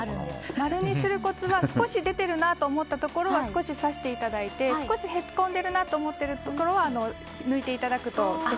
丸にするコツは少し出ているなと思ったところは少し挿していただいて少しへこんでいるなと思うところは抜いていただくと。